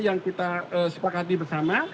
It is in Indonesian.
yang kita sepakati bersama